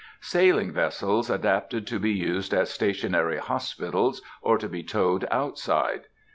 _Sailing vessels adapted to be used as Stationary Hospitals, or to be towed outside.